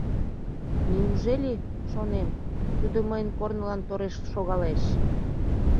Неужели, шонем, тудо мыйын корнылан тореш шогалеш?